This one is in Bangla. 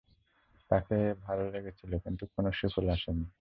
তাকে ভালো লেগেছিল, কিন্তু কোনো সুফল আসেনি।